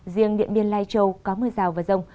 riêng điện biên lai châu có mưa rào và rông